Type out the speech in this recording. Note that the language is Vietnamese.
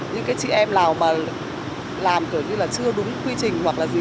những cái chị em nào mà làm kiểu như là chưa đúng quy trình hoặc là gì